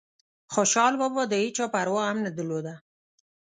خوشحال بابا دهيچا پروا هم نه درلوده